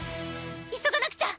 急がなくちゃ！